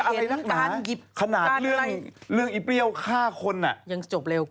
ว่าเห็นการหยิบ